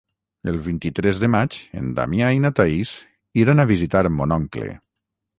El vint-i-tres de maig en Damià i na Thaís iran a visitar mon oncle.